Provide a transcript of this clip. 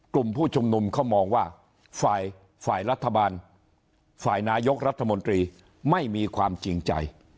กลุ่มผู้ชุมนุมเขามองว่าฝ่ายฝ่ายรัฐบาลฝ่ายนายกรัฐมนตรีไม่มีความจริงใจ